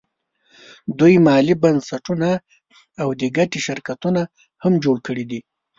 دوی مالي بنسټونه او د ګټې شرکتونه هم جوړ کړي دي